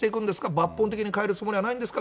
抜本的に変えるつもりはないんですか？